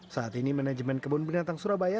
saat ini manajemen kebun binatang surabaya